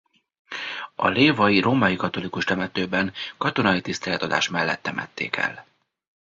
A lévai római katolikus temetőben katonai tiszteletadás mellett temették el.